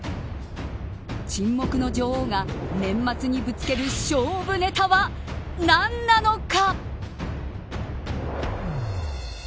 沈黙の女王が年末にぶつける勝負ネタは何なのか。